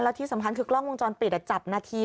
ที่สำคัญคือกล้องวงจรปิดจับนาที